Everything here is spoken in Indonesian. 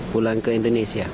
pulang ke indonesia